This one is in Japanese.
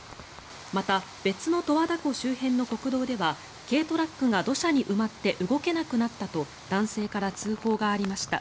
また別の十和田湖周辺の国道では軽トラックが土砂に埋まって動けなくなったと男性から通報がありました。